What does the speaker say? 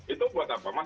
itu buat apa